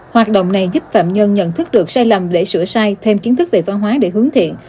hoạt động này giúp phạm nhân nhận thức được sai lầm để sửa sai thêm kiến thức về văn hóa để hướng thiện